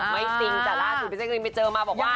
ไม่สิงแต่ล่าสุดพี่แจ๊กกะรินไม่เจอมาบอกว่า